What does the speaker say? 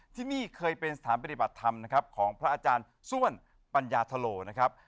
ที่นี่เคยเป็นสถานปฏิบัติธรรมนะครับของพระอาจารย์ส้วนปัญญาทะโลนะครับ